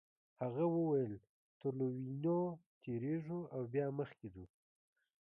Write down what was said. هغه وویل تر لویینو تیریږو او بیا مخکې ځو.